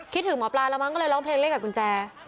ถึงหมอปลาแล้วมั้งก็เลยร้องเพลงเล่นกับกุญแจ